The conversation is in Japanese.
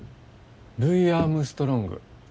ルイ・アームストロング。